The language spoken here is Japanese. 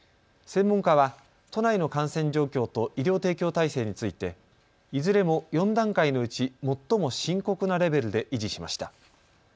専門家は都内の感染状況と医療提供体制についていずれも４段階のうち最も深刻なレベルで維持しました。